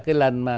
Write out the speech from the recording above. cái lần mà